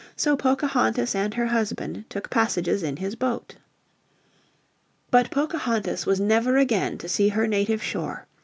So Pocahontas and her husband took passages in his boat. But Pocahontas was never again to see her native shore.